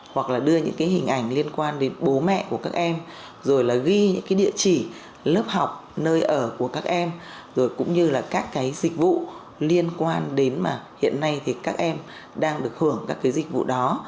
hoặc là đưa những cái hình ảnh liên quan đến bố mẹ của các em rồi là ghi những cái địa chỉ lớp học nơi ở của các em rồi cũng như là các cái dịch vụ liên quan đến mà hiện nay thì các em đang được hưởng các cái dịch vụ đó